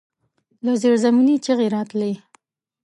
له زيرزمينې چيغې راتلې.